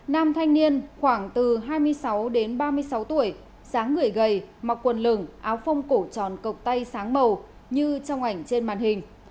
nam thanh niên khoảng từ hai mươi sáu đến ba mươi sáu tuổi sáng người gầy mặc quần lửng áo phông cổ tròn cộc tay sáng màu như trong ảnh trên màn hình